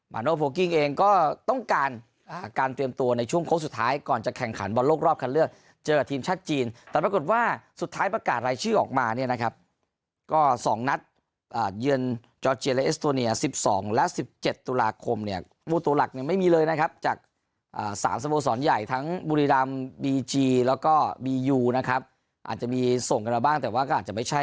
มาโนโฟกิ้งเองก็ต้องการการเตรียมตัวในช่วงโค้กสุดท้ายก่อนจะแข่งขันบอลโลกรอบคันเลือกเจอกับทีมชาติจีนแต่ปรากฏว่าสุดท้ายประกาศรายชื่อออกมาเนี่ยนะครับก็สองนัดเยือนจอร์เจียและเอสโตเนีย๑๒และ๑๗ตุลาคมเนี่ยมุตุหลักเนี่ยไม่มีเลยนะครับจากสามสะโบสอนใหญ่ทั้งบุรีรามบีจีแล้วก็